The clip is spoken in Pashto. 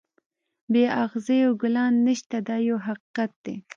بې اغزیو ګلان نشته دا یو حقیقت دی.